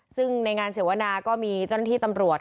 ซึ่งในงานเสวนาก็มีเจ้าหน้าที่ตำรวจ